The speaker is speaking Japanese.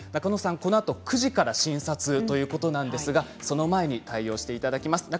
このあと９時から診察ということなんですがその前に対応していただきます。